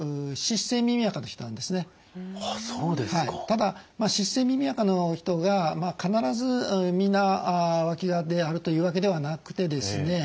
ただ湿性耳あかの人が必ずみんなわきがであるというわけではなくてですね